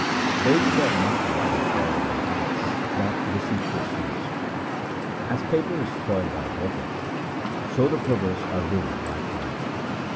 They who have not the love of God in their hearts plot deceitful schemes. As paper is spoiled by water, so the perverse are ruined by pride.